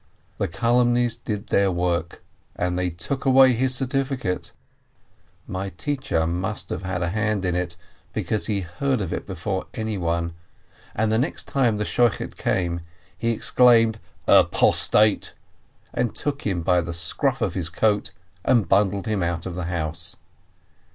The calumnies did their work, and they took away his certificate. My teacher must have had a hand in it, because he heard of it before anyone, and the next time the Shochet came, he exclaimed "Apostate !" took him by the scruff of his coat, and bundled him out of the house.